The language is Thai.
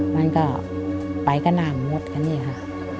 มันก็ไปก็น้ำหมดกันเนี่ยค่ะ